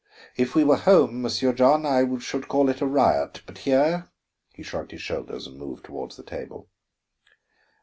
If we were home, Monsieur John, I should call it a riot; but here " he shrugged his shoulders and moved toward the table.